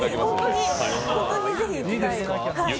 本当にぜひ、行きたいです。